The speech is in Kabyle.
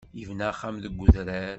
Yebna axxam deg udrar.